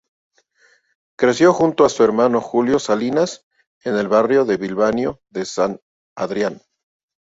Creció junto a su hermano Julio Salinas en el barrio bilbaíno de San Adrián.